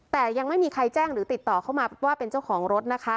แต่ยังไม่มีใครแจ้งหรือติดต่อเข้ามาว่าเป็นเจ้าของรถนะคะ